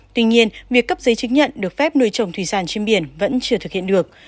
tuy nhiên việc cấp giấy chứng nhận được phép nuôi trồng thủy sản trên biển vẫn chưa thực hiện được